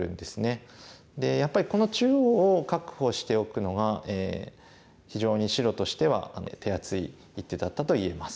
でやっぱりこの中央を確保しておくのが非常に白としては手厚い一手だったと言えます。